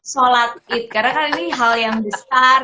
sholat it karena ini hal yang besar